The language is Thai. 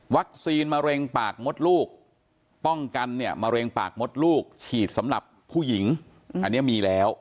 มะเร็งปากมดลูกป้องกันเนี่ยมะเร็งปากมดลูกฉีดสำหรับผู้หญิงอันนี้มีแล้ว